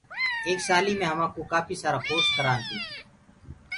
ايڪ سآليٚ مي همآ ڪوٚ ڪاڦيٚ سآرآ ڪورس ڪرآن تي۔